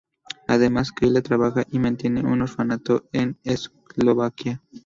Además, Kyla trabaja y mantiene un orfanato en Eslovaquia.